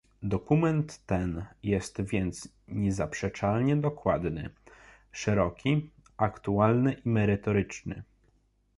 Dokument ten jest więc niezaprzeczalnie dokładny, szeroki, aktualny i merytoryczny